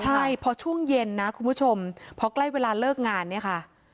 ใช่พอช่วงเย็นนะคุณผู้ชมพอใกล้เวลาเลิกงานเนี่ยค่ะ